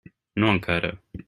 No encara.